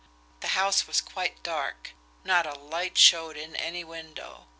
The house was quite dark, not a light showed in any window.